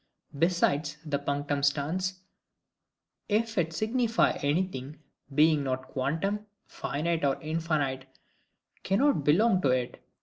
Besides, that punctum stans, if it signify anything, being not quantum, finite or infinite cannot belong to it.